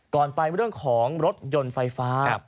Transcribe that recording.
ก่อนไปเรื่องของรถยนต์ไฟฟ้า